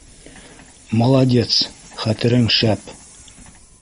Молодец, хәтерең шәп